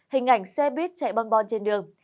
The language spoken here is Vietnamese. hình ảnh xe buýt chạy băng bon trên đường